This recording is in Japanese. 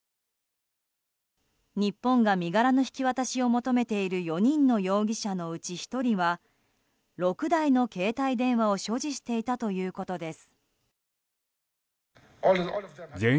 日本が身柄の引き渡しを求めている４人の容疑者のうち１人は６台の携帯電話を所持していたということです。